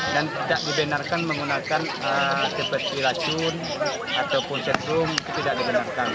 dan tidak dibenarkan menggunakan seperti racun ataupun sesum itu tidak dibenarkan